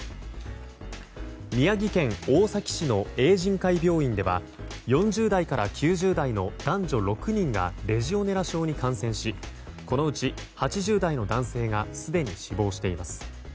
宮城県大崎市の永仁会病院では４０代から９０代の男女６人がレジオネラ症に感染しこのうち８０代の男性がすでに死亡しています。